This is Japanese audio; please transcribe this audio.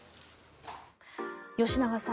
吉永さん